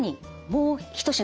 もう一品。